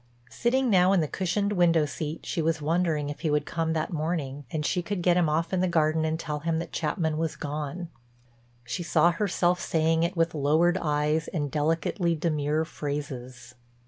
Sitting now in the cushioned window seat she was wondering if he would come that morning and she could get him off in the garden and tell him that Chapman was gone. She saw herself saying it with lowered eyes and delicately demure phrases.